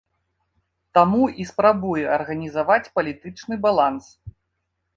Таму і спрабуе арганізаваць палітычны баланс.